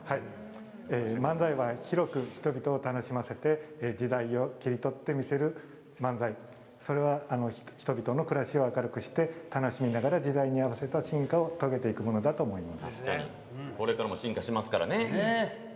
漫才は広く人々を楽しませて時代を切り取ってみせる漫才、それは人々の暮らしを明るくして時代に合わせた進化を遂げていくものだと思います。